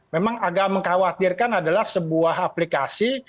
memang agak mengkhawatirkan adalah sebuah aplikasi